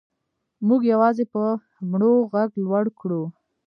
موږ یوازې په مړو غږ لوړ کړو.